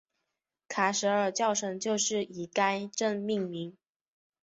卡舍尔教省就是以该镇命名。